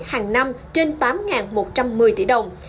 hàng năm trên tám một trăm một mươi tỷ đồng